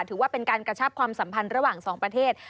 ถือว่าเป็นการกระชับความสัมพันธ์ระหว่างสองประเทศ